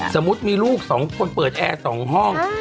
สมมุติมีลูก๒คนเปิดแอร์๒ห้อง